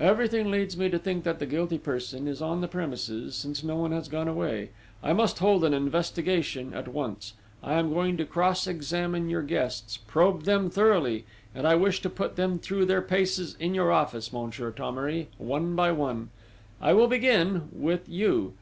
Everything leads me to think that the guilty person is on the premises, since no one has gone away.... I must hold an investigation at once. I am going to cross examine your guests probe them thoroughly and I wish to put them through their paces in your office, Monsieur Thomery, one by one.... I will begin ... with you